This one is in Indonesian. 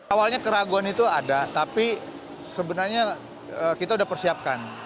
awalnya keraguan itu ada tapi sebenarnya kita sudah persiapkan